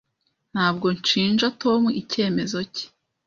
Ntabwo nshinja Tom icyemezo cye.